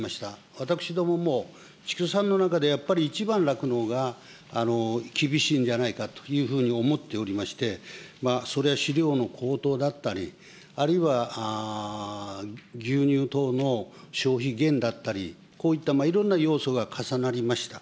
私どもも畜産の中で、やっぱり一番酪農が厳しいんじゃないかというふうに思っておりまして、それは飼料の高騰だったり、あるいは牛乳等の消費減だったり、こういったいろんな要素が重なりました。